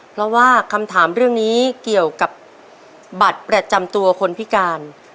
เพราะว่าคำถามเรื่องนี้เกี่ยวกับบัตรประจำตัวคนพิการ